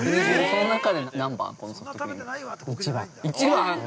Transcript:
◆その中で、何番？